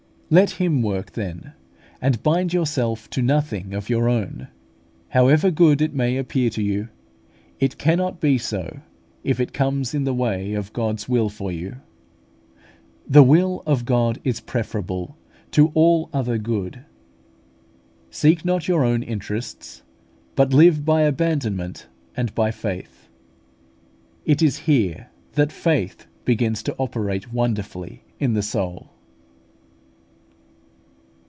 Let Him work then, and bind yourself to nothing of your own. However good it may appear to you, it cannot be so if it comes in the way of God's will for you. The will of God is preferable to all other good. Seek not your own interests, but live by abandonment and by faith. It is here that faith begins to operate wonderfully in the soul.